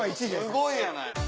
すごいやない。